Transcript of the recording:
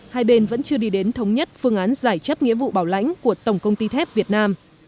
hai bên vẫn chưa đi đến thống nhất phương án giải chấp nghĩa vụ bảo lãnh của tổng công ty thép việt nam